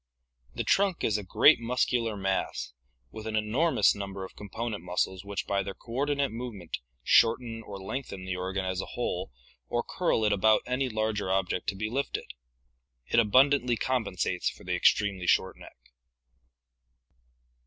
The trunk is a great muscular mass with an enormous, number of com ponent muscles which by their coordinate movement shorten or lengthen the organ as a whole or curl it about any larger object to be lifted. It abundantly compensates for the extremely short neck.